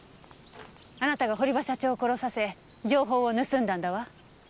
あなたが堀場社長を殺させ情報を盗んだんだわ。